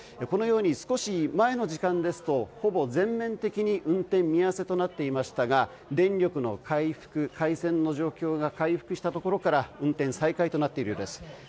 このように少し前の時間ですとほぼ全面的に運転見合わせとなっていましたが電力の回復、回線の状況が回復したところから運転再開となっているようです。